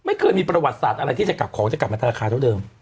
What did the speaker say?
เคยมีประวัติศาสตร์อะไรที่จะกลับของจะกลับมาธนาคารเท่าเดิม